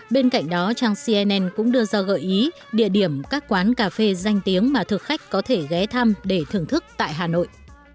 bên cạnh đó trang cnn cũng đưa ra gợi ý địa điểm các quán cà phê danh tiếng mà thực khách có thể ghé thăm để thưởng thức tại hà nội